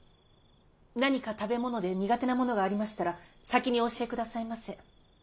何か食べ物で苦手なものがありましたら先にお教えくださいませ。